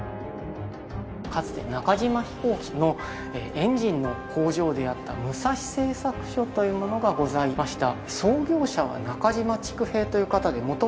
かつて中島飛行機のエンジンの工場であった武蔵製作所というものがございました。